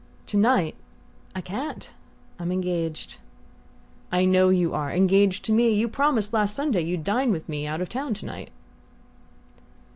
"To night? I can't I'm engaged." "I know you are: engaged to ME! You promised last Sunday you'd dine with me out of town to night."